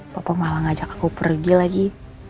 bapak malah ngajak aku pergi lagi